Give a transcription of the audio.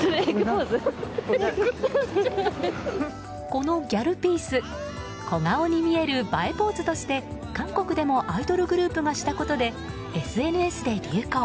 このギャルピース小顔に見える映えポーズとして韓国でもアイドルグループがしたことでＳＮＳで流行。